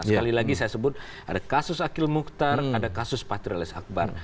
sekali lagi saya sebut ada kasus akil mukhtar ada kasus patrialis akbar